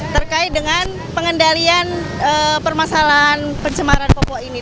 terkait dengan pengendalian permasalahan pencemaran pokok ini